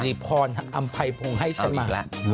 ๔รีพรอมไพพรงให้ฉันมา